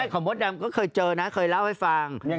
มดดำก็เคยเจอนะเคยเล่าให้ฟัง